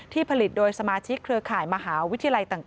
ผลิตโดยสมาชิกเครือข่ายมหาวิทยาลัยต่าง